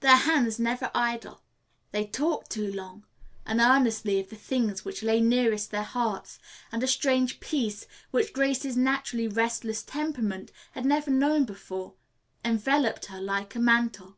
Their hands never idle, they talked long and earnestly of the things which lay nearest their hearts, and a strange peace, which Grace's naturally restless temperament had never before known, enveloped her like a mantle.